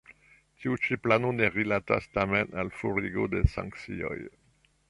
Tiu ĉi plano ne rilatas tamen al forigo de sankcioj.